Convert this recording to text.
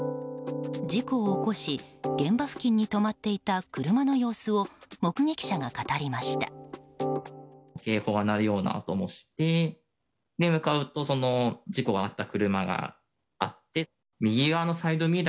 事故を起こし、現場付近に止まっていた車の様子を目撃者が語りました。